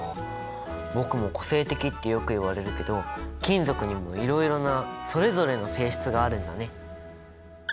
僕も個性的ってよく言われるけど金属にもいろいろなそれぞれの性質があるんだね。